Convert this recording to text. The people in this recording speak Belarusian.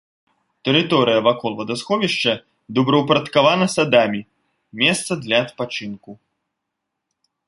Тэрыторыя вакол вадасховішча добраўпарадкавана садамі, месца для адпачынку.